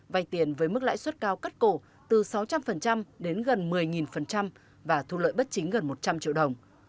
vay tiền với mức lãi suất cao cắt cổ từ sáu trăm linh đến gần một mươi và thu lợi bất chính gần một trăm linh triệu đồng